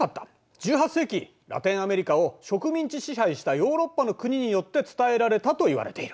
１８世紀ラテンアメリカを植民地支配したヨーロッパの国によって伝えられたといわれている。